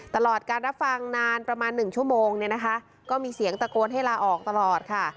ตลอดการรับฟังนานประมาณ๑ชั่วโมงเนี่ยนะคะก็มีเสียงตะโกนให้ลาออกตลอดค่ะ